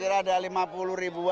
serta mungkin siapa